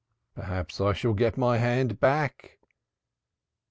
Perhaps I shall get my hand back."